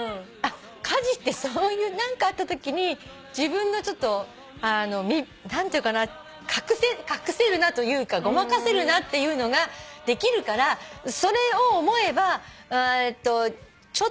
家事ってそういう何かあったときに自分のちょっと何ていうかな隠せるなというかごまかせるなっていうのができるからそれを思えばちょっと楽しくなるなと。